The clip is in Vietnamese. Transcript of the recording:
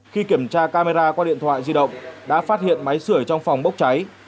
khi kiểm tra camera qua điện thoại di động đã phát hiện máy sửa trong phòng bốc cháy